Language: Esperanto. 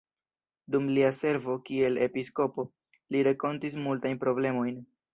Dum lia servo kiel episkopo, li renkontis multajn problemojn.